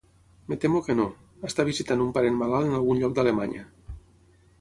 Em temo que no; està visitant un parent malalt en algun lloc d'Alemanya.